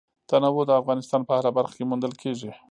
تنوع د افغانستان په هره برخه کې موندل کېږي.